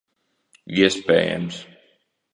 Iespējams.